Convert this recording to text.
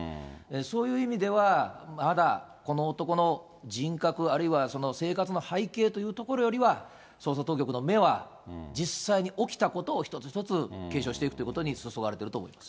そういう意味では、まだこの男の人格、あるいは生活の背景というところよりは、捜査当局の目は、実際に起きたことを一つ一つ検証していくということに注がれていると思います。